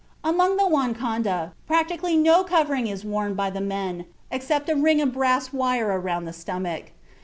Among the Wankonda, practically no covering is worn by the men except a ring of brass wire around the stomach.